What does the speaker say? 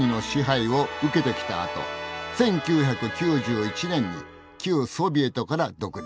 あと１９９１年に旧ソビエトから独立。